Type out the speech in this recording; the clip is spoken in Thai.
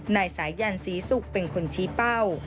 นายสายันศรีศุกร์เป็นคนชี้เป้า